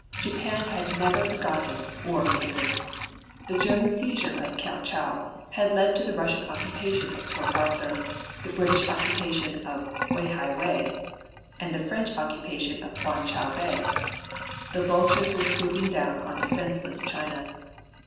Japan had never forgotten or forgiven. The German seizure of Kiao chau had led to the Russian occupation of Port Arthur, the British occupation of Wei hai wei and French occupation of Kwan chow Bay. The vultures were swooping down on defenseless China.